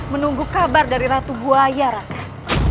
menunggu kabar dari ratu buaya raka